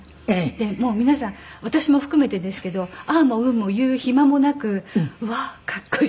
もう皆さん私も含めてですけど「ああ」も「うん」も言う暇もなくうわかっこいい！